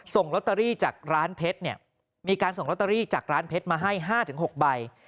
ส่งลอตเตอรี่จากร้านเพชรเนี่ยมีการส่งลอตเตอรี่จากร้านเพชรมาให้๕๖ใบ